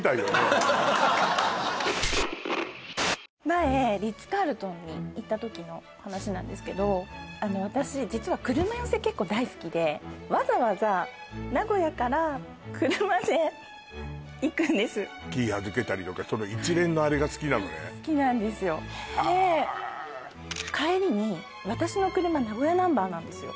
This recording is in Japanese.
前リッツ・カールトンに行った時の話なんですけど私実は車寄せ結構大好きでわざわざ名古屋から車で行くんです好きなんですよでへえっ帰りに私の車名古屋ナンバーなんですよ